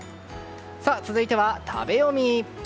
続いては、食べヨミ。